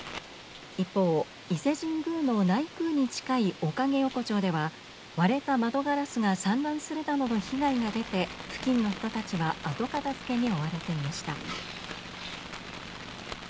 一方、伊勢神宮の内宮に近いおかげ横丁では割れた窓ガラスが散乱するなどの被害が出て、付近の人たちが後片付けに追われていました。